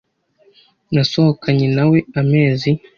Nasohokanye nawe amezi.